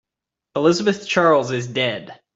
Elizabeth Charles is dead.